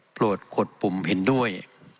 โปรดกดปุ่มเห็นด้วย